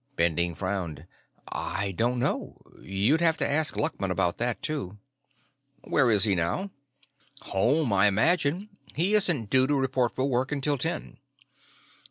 Bending frowned. "I don't know. You'd have to ask Luckman about that, too." "Where is he now?" "Home, I imagine. He isn't due to report for work until ten."